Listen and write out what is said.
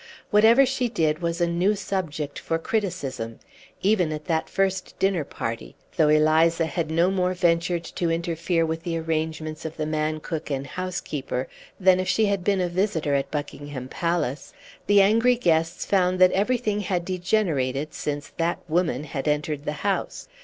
Whatever she did was a new subject for criticism; even at that first dinner party, though Eliza had no more ventured to interfere with the arrangements of the man cook and housekeeper than if she had been a visitor at Buckingham Palace, the angry guests found that everything had degenerated since "that woman" had entered the house.